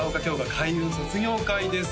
開運卒業回です